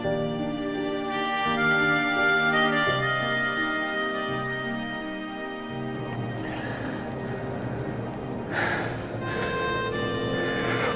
putri aku nolak